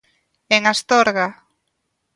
En Astorga.